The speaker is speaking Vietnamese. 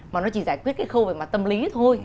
mà nó chỉ giải quyết cái khâu về mặt tâm lý thôi